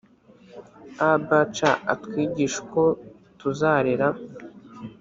abc atwigishe uko tuzarera